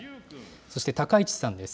そして、高市さんです。